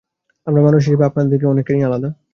আমরা মানুষ হিসেবে আপনাদের থেকে অনেকখানিই আলাদা।